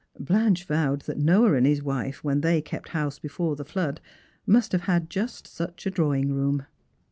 Blanche vowed that Noah and his wife, when they kept house before the flood, must have had just such a drawing room.